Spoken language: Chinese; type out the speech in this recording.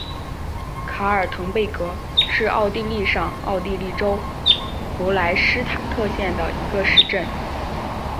卡尔滕贝格是奥地利上奥地利州弗赖施塔特县的一个市镇。